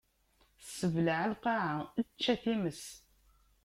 Ssebleɛ a lqaɛa, ečč a times!